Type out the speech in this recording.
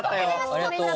ありがとう。